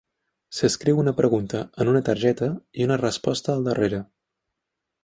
S'escriu una pregunta en una targeta i una resposta al darrere.